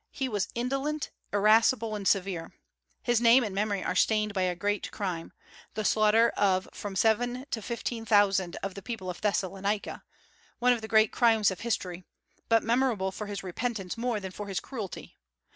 He was indolent, irascible, and severe. His name and memory are stained by a great crime, the slaughter of from seven to fifteen thousand of the people of Thessalonica, one of the great crimes of history, but memorable for his repentance more than for his cruelty.